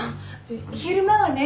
昼間はね